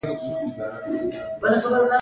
او تېر شوي دي